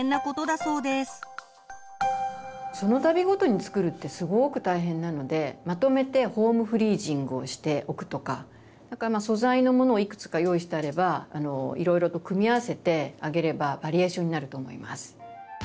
そのたびごとに作るってすごく大変なのでまとめてホームフリージングをしておくとか素材のものをいくつか用意してあればいろいろと組み合わせてあげればバリエーションになると思います。